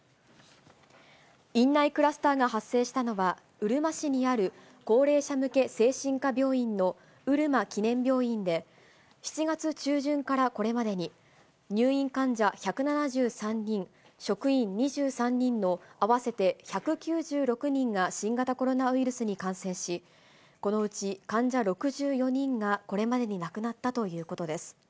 院内クラスターが発生したのは、うるま市にある高齢者向け精神科病院のうるま記念病院で、７月中旬からこれまでに入院患者１７３人、職員２３人の合わせて１９６人が新型コロナウイルスに感染し、このうち患者６４人がこれまでに亡くなったということです。